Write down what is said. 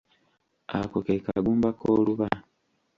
Ako ke kagumba k'oluba.